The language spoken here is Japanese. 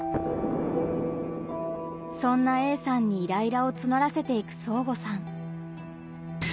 そんなＡさんにイライラをつのらせていくそーごさん。